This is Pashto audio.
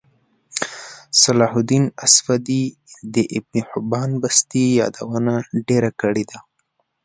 صلاحالدیناصفدی دابنحبانبستيیادونهډیره کړیده